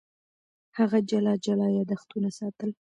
هغه جلا جلا یادښتونه ساتل.